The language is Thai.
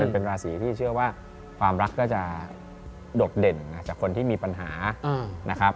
เป็นราศีที่เชื่อว่าความรักก็จะโดดเด่นจากคนที่มีปัญหานะครับ